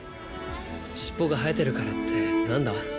尻尾が生えてるからってなんだ。